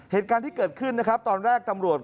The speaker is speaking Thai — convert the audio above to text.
เหตุการณ์ที่เกิดขึ้นนะครับตอนแรกตำรวจ